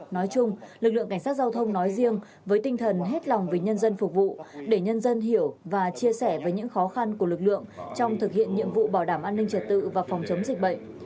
nói chung lực lượng cảnh sát giao thông nói riêng với tinh thần hết lòng vì nhân dân phục vụ để nhân dân hiểu và chia sẻ với những khó khăn của lực lượng trong thực hiện nhiệm vụ bảo đảm an ninh trật tự và phòng chống dịch bệnh